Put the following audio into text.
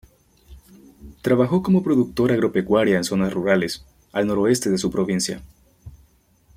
Trabajó como productora agropecuaria en zonas rurales al noroeste de su provincia.